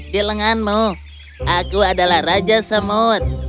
kumbang aku adalah raja semut